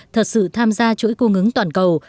thật sự tham gia chuỗi cung ứng toàn cầu